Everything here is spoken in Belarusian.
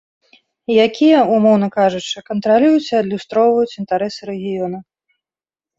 Якія, умоўна кажучы, кантралююць і адлюстроўваюць інтарэсы рэгіёна.